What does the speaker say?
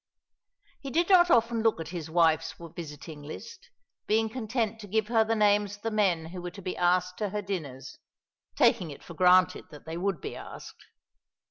He did not often look at his wife's visiting list, being content to give her the names of the men who were to be asked to her dinners, taking it for granted that they would be asked.